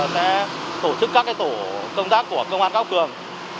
sẽ tổ chức các tổ công tác của công an tăng cường